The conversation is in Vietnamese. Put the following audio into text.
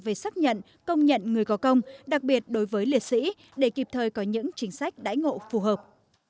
về xác nhận công nhận người có công đặc biệt đối với liệt sĩ để kịp thời có những chính sách đãi ngộ phù hợp